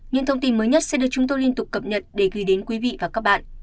những thông tin mới nhất sẽ được chúng tôi liên tục cập nhật để gửi đến quý vị và các bạn